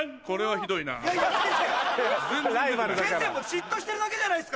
これはヒドいな。